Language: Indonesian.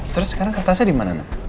terus sekarang kertasnya dimana